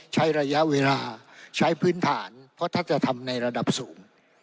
ใช้ระยะเวลาใช้พื้นฐานเพราะถ้าจะทำในระดับสูง